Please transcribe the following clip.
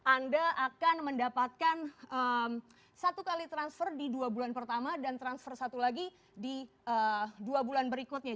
anda akan mendapatkan satu kali transfer di dua bulan pertama dan transfer satu lagi di dua bulan berikutnya